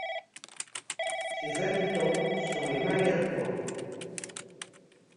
Ses habitants sont les Mailhacois.